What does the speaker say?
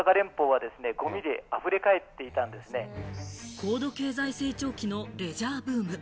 高度経済成長期のレジャーブーム。